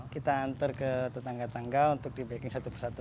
kita antar ke tetangga tetangga untuk di packing satu per satu